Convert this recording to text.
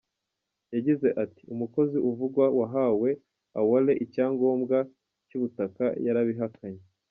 Yagize ati “Umukozi uvugwa wahaye Awale icyangombwa cy’ubutaka, yarabihakanye.